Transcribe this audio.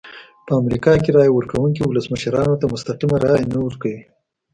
په امریکا کې رایه ورکوونکي ولسمشرانو ته مستقیمه رایه نه ورکوي.